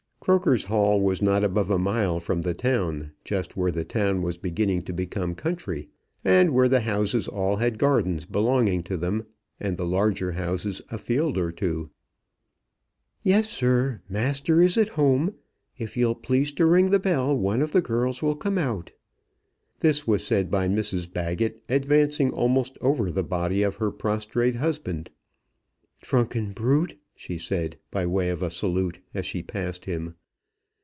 Croker's Hall was not above a mile from the town, just where the town was beginning to become country, and where the houses all had gardens belonging to them, and the larger houses a field or two. "Yes, sir, master is at home. If you'll please to ring the bell, one of the girls will come out." This was said by Mrs Baggett, advancing almost over the body of her prostrate husband. "Drunken brute!" she said, by way of a salute, as she passed him.